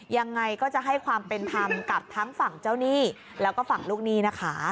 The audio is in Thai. ยังไงก็จะให้ความเป็นธรรมกับทั้งฝั่งเจ้าหนี้แล้วก็ฝั่งลูกหนี้นะคะ